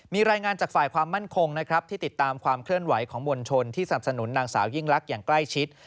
มีรายงานจากฝ่ายความมั่นคงนะครับที่ติดตามความเคลื่อนไหวของมวลชนที่สนับสนุนนางสาวยิ่งลักษณ์อย่างใกล้ชิด